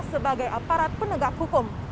sebagai aparat penegak hukum